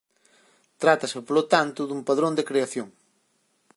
Trátase polo tanto dun padrón de creación.